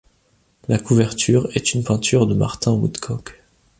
La couverture est une peinture de Martin Woodcock.